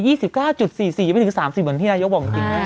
ยังไม่ถึง๓๐บนที่ได้ยกบอกจริง